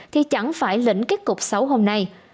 thì chẳng phải lĩnh kết cục xấu hôm nay